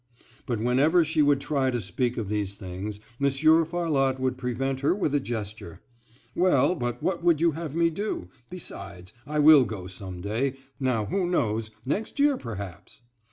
But whenever she would try to speak of these things Monsieur Farlotte would prevent her with a gesture, "Well, but what would you have me do,—besides, I will go some day,—now who knows, next year, perhaps."